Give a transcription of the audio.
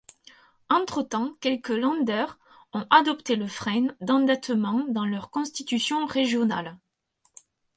Entre-temps, quelques Länder ont adopté le Frein d'endettement dans leurs constitutions régionales.